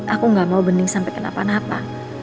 aku gak mau bening sampai kenapa napa